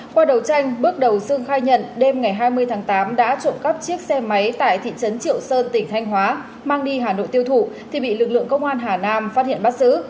qua đầu tranh bước đầu sương khai nhận đêm ngày hai mươi tháng tám đã trộm cắp chiếc xe máy tại thị trấn triệu sơn tỉnh thanh hóa mang đi hà nội tiêu thụ thì bị lực lượng công an hà nam phát hiện bắt giữ